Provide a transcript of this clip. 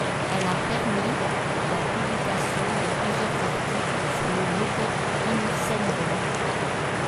Elle a permis la publication de plusieurs articles sur le locked-in syndrome.